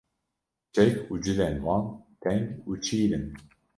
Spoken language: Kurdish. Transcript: Çek û cilên wan teng û çîr in